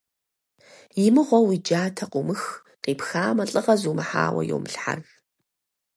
И мыгъуэу уи джатэ къыумых, къипхамэ, лӀыгъэ зумыхьауэ йомылъхьэж.